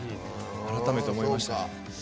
改めて思いました。